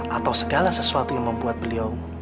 atau segala sesuatu yang membuat beliau